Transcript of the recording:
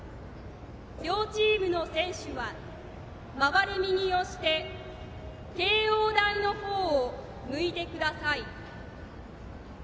両チームの選手は回れ右をして掲揚台の方を向いてください。